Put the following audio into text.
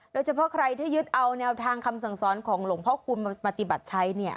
โดยเฉพาะใครที่ยึดเอาแนวทางคำสั่งสอนของหลวงพ่อคุณมาปฏิบัติใช้เนี่ย